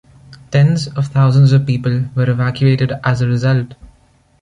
Tens of thousands of people were evacuated as a result.